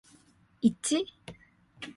있지?